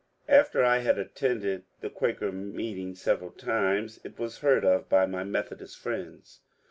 After I had attended the Quaker meeting several times, it was heard of by my Methodist friends.